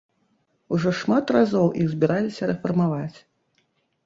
Ужо шмат разоў іх збіраліся рэфармаваць.